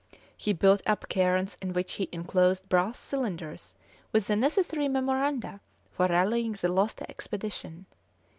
He built up cairns in which he inclosed brass cylinders with the necessary memoranda for rallying the lost expedition.